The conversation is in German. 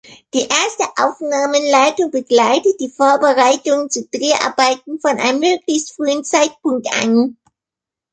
Die Erste Aufnahmeleitung begleitet die Vorbereitungen zu Dreharbeiten von einem möglichst frühen Zeitpunkt an.